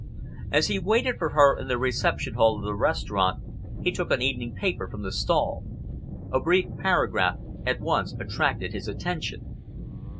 As he waited for her in the reception hall of the restaurant, he took an evening paper from the stall. A brief paragraph at once attracted his attention.